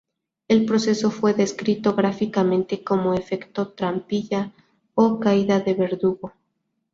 El proceso fue descrito gráficamente como "efecto trampilla" o "caída de verdugo".